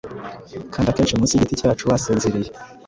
kandi akenshi munsi yigiti cyacu wasinziriye,